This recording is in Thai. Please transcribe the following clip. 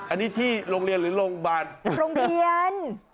อันนี้ที่โรงเรียนหรือโรงพยาบาลโรงเรียน